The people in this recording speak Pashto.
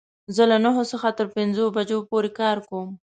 زه له نهو څخه تر پنځو بجو پوری کار کوم